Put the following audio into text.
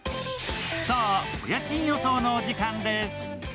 さぁ、お家賃予想のお時間です。